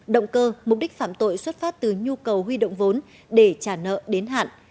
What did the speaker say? động cơ mục đích phạm tội xuất phát từ nhu cầu huy động vốn để trả nợ đến hạn